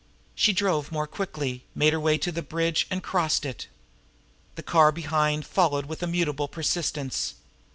She drove more quickly, made her way to the Bridge, and crossed it. The car behind followed with immutable persistence.